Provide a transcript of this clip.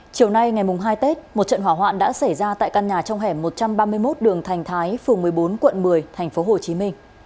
chiều nay ngày hai tết một trận hỏa hoạn đã xảy ra tại căn nhà trong hẻm một trăm ba mươi một đường thành thái phường một mươi bốn quận một mươi tp hcm